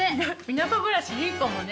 田舎暮らしいいかもね。